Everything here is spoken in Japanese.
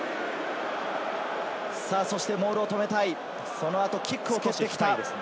モールを止めたい、その後、キックを蹴ってきた。